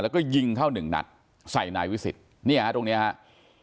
แล้วก็ยิงเข้า๑หนัดใส่นายวิศิษฐ์ตรงนี้เลยครับ